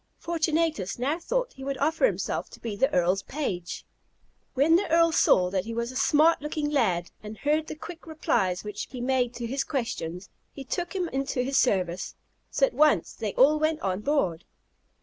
Fortunatus now thought he would offer himself to be the Earl's page. When the Earl saw that he was a smart looking lad, and heard the quick replies which he made to his questions, he took him into his service; so at once they all went on board.